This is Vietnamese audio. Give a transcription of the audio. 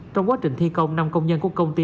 trong quá trình thi công năm công nhân của công ty